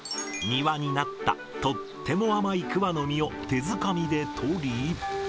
庭になったとっても甘い桑の実を手づかみで取り。